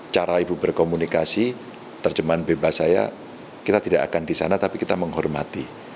cara ibu berkomunikasi terjemahan bebas saya kita tidak akan di sana tapi kita menghormati